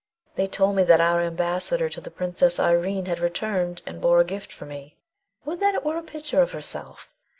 They told me that our ambassador to the Princess Irene had returned, and bore a gift for me. Would that it were a picture of herself!